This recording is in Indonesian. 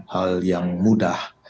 hal yang mudah